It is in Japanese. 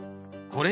これ？